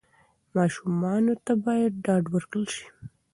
ماشومانو ته باید ډاډ ورکړل سي.